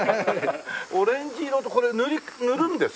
オレンジ色ってこれ塗るんですか？